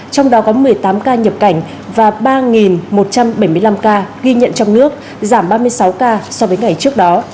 trong đó có một mươi tám ca nhập cảnh và ba một trăm bảy mươi năm ca ghi nhận trong nước giảm ba mươi sáu ca so với ngày trước đó